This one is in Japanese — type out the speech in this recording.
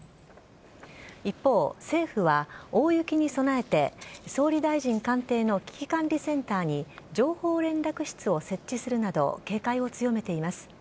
一方、政府は大雪に備えて総理大臣官邸の危機管理センターに、情報連絡室を設置するなど、警戒を強めています。